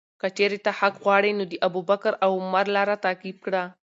که چیرې ته حق غواړې، نو د ابوبکر او عمر لاره تعقیب کړه.